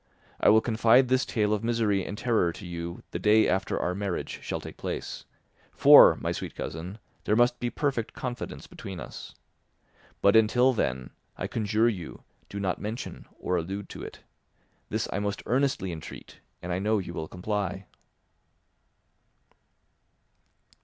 I will confide this tale of misery and terror to you the day after our marriage shall take place, for, my sweet cousin, there must be perfect confidence between us. But until then, I conjure you, do not mention or allude to it. This I most earnestly entreat, and I know you will comply."